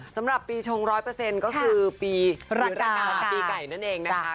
สำหรับปีชง๑๐๐ก็คือปีรากาปีไก่นั่นเองนะคะ